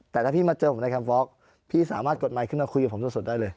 แต่ถ้าพี่มาเจอผมในแคมฟอล์กพี่สามารถกดไลค์ขึ้นมาคุยกับผมสดได้เลย